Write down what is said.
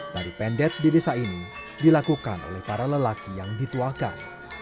tari pendek di desa ini dilakukan oleh para lelaki yang dituakan